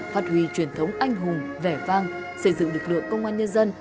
phát huy truyền thống anh hùng vẻ vang xây dựng lực lượng công an nhân dân